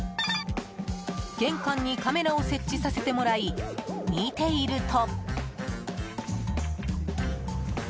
玄関にカメラを設置させてもらい見ていると。